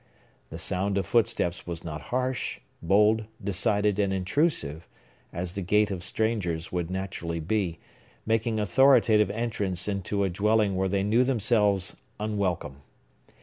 The sound of footsteps was not harsh, bold, decided, and intrusive, as the gait of strangers would naturally be, making authoritative entrance into a dwelling where they knew themselves unwelcome.